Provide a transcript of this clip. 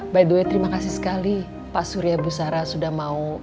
by the way terima kasih sekali pak surya busara sudah mau